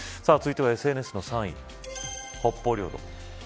続いてはＳＮＳの３位北方領土。